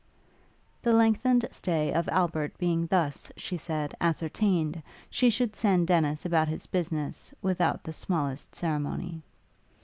The lengthened stay of Albert being thus, she said, ascertained, she should send Dennis about his business, without the smallest ceremony.